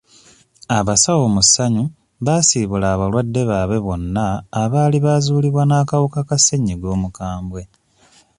Abasawo mu ssanyu baasiibula abalwadde baabwe bonna abaali baazuulibwa n'akawuka ka ssennyiga omukambwe.